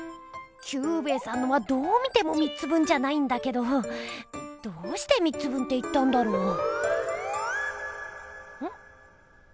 キュウベイさんのはどう見ても３つ分じゃないんだけどどうして３つ分って言ったんだろう？ん？